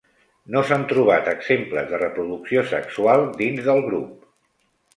No s'han trobat exemples de reproducció sexual dins del grup.